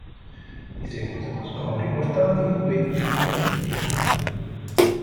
Di seguito sono riportati i duetti contenuti in album.